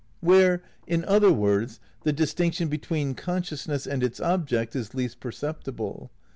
Where, in other words, the distinction between con sciousness and its object is least perceptible.